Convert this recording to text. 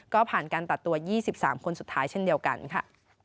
ก็ผ่านการตัดตัว๒๓คนสุดท้ายเช่นเดียวกันค่ะ